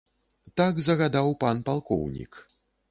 Так загадаў пан палкоўнік.